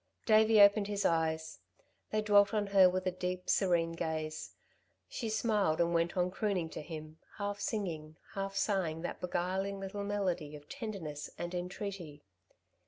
Davey opened his eyes. They dwelt on her with a deep, serene gaze. She smiled and went on crooning to him, half singing, half sighing that beguiling little melody of tenderness and entreaty.